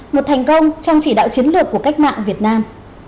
một thành công trong chỉ đạo chiến lược của cách mạng việt nam